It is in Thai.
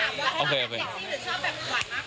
ให้ผ่านถามว่าหรือชอบแบบหวั่นออกมาก